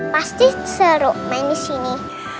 pasti seru main di sini